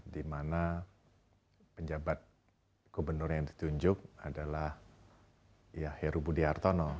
dimana penjabat gubernur yang ditunjuk adalah ya heru budiartono